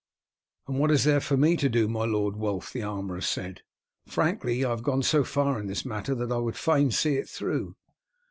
"And what is there for me to do, my lord Wulf?" the armourer said. "Frankly, I have gone so far in this matter that I would fain see it through."